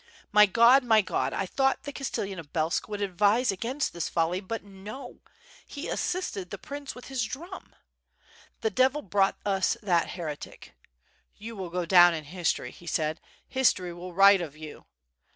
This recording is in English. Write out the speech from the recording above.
My God! my God! I thought the castellan of Belsk would advise against this folly, but no, he assisted the prince with his drum. The devil brought us that heretic. 'You will go down in history,' he said. 'History will write of you.'